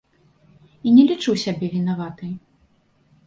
І не лічу сябе вінаватай.